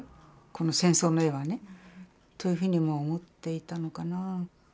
この戦争の絵はねというふうにも思っていたのかな。